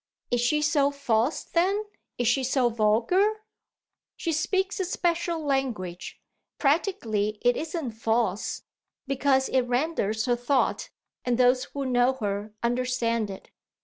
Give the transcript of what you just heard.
"Is she so false then is she so vulgar?" "She speaks a special language; practically it isn't false, because it renders her thought and those who know her understand it."